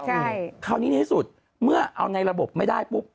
ใช่คราวนี้ในที่สุดเมื่อเอาในระบบไม่ได้ปุ๊บ